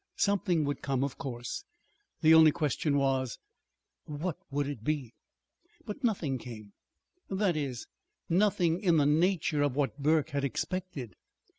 Something would come, of course. The only question was, what would it be? But nothing came that is, nothing in the nature of what Burke had expected.